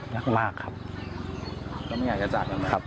อยากมากครับ